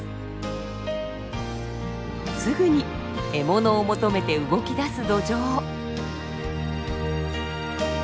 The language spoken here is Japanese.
すぐに獲物を求めて動き出すドジョウ。